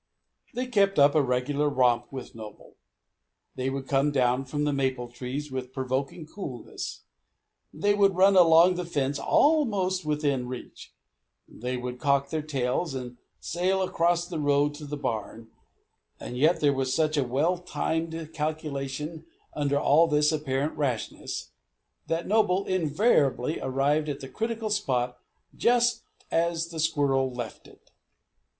They kept up a regular romp with Noble. They would come down from the maple trees with provoking coolness; they would run along the fence almost within reach; they would cock their tails and sail across the road to the barn; and yet there was such a well timed calculation under all this apparent rashness, that Noble invariably arrived at the critical spot just as the squirrel left it.